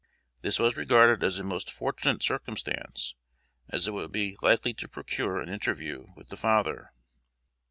This was regarded as a most fortunate circumstance, as it would be likely to procure an interview with the father.